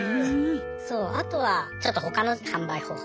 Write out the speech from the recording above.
そうあとはちょっと他の販売方法